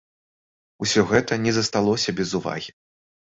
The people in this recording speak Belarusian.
Усё гэта не засталося без увагі.